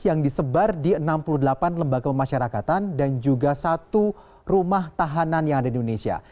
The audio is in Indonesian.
yang disebar di enam puluh delapan lembaga pemasyarakatan dan juga satu rumah tahanan yang ada di indonesia